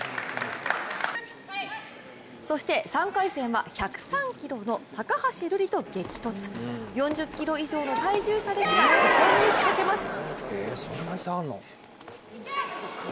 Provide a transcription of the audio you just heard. そして、３回戦は１０３キロの高橋瑠璃と激突４０キロ以上の体重差ですが果敢に仕掛けます。